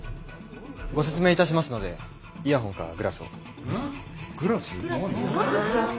ご説明いたしますのでイヤホンかグラスを。